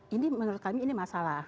ini menurut kami ini masalah